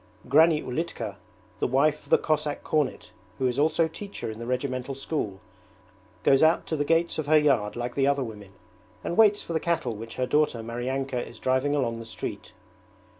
Granny Ulitka, the wife of the Cossack cornet who is also teacher in the regimental school, goes out to the gates of her yard like the other women, and waits for the cattle which her daughter Maryanka is driving along the street.